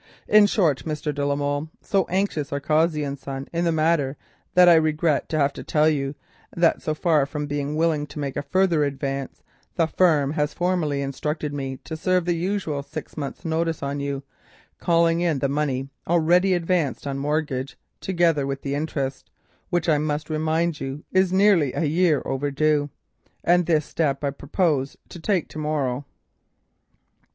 In short, Mr. de la Molle, so anxious are Cossey and Son in the matter, that I regret to have to tell you that so far from being willing to make a further advance, the firm have formally instructed me to serve the usual six months' notice on you, calling in the money already advanced on mortgage, together with the interest, which I must remind you is nearly a year overdue, and this step I propose to take to morrow."